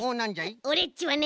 オレっちはね